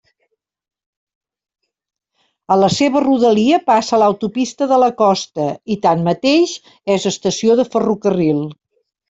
A la seva rodalia passa l'autopista de la costa i tanmateix és estació de ferrocarril.